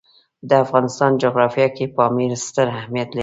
د افغانستان جغرافیه کې پامیر ستر اهمیت لري.